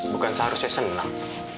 bukan seharusnya senang